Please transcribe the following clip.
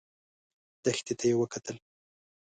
دښتې ته يې وکتل.